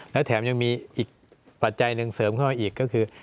และแถมยังมีอีกปัจจัยหนึ่งเสริมเข้ามาอีกก็คือ